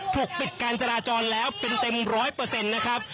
ถูกปิดการจราจรแล้วเป็นเต็มร้อยเปอร์เซ็นต์นะครับ